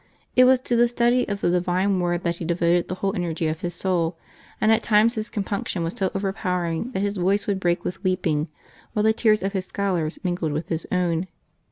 It was to the study of the Divine Word that he devoted the whole energy of his soul, and at times his compunction was so overpowering that his voice would break with weeping, while the tears of his scholars mingled with his own.